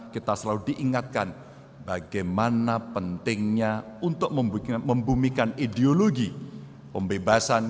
kita selalu diingatkan bagaimana pentingnya untuk membumikan ideologi pembebasan